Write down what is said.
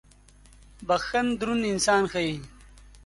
• بخښن دروند انسان ښيي.